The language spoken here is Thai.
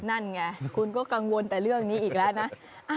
นั่นไงคุณก็กังวลแต่เรื่องนี้อีกแล้วนะ